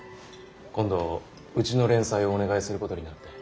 今度うちの連載をお願いすることになって。